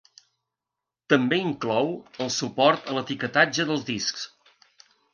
També inclou el suport a l'etiquetatge dels discs.